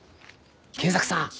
賢作さん